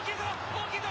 大きいぞ！